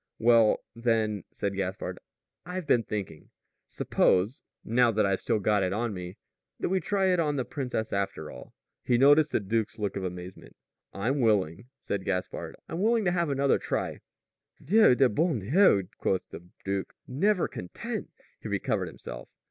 "Well, then," said Gaspard, "I've been thinking. Suppose now that I've still got it on me that we try it on the princess, after all." He noticed the duke's look of amazement. "I'm willing," said Gaspard. "I'm willing to have another try " "Dieu de bon Dieu!" quoth the duke. "Never content!" He recovered himself.